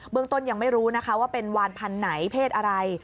ต้นยังไม่รู้นะคะว่าเป็นวานพันธุ์ไหนเพศอะไร